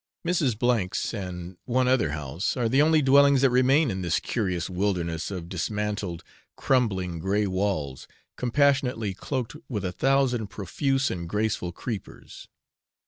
Mrs. A 's, and one other house, are the only dwellings that remain in this curious wilderness of dismantled crumbling grey walls compassionately cloaked with a thousand profuse and graceful creepers.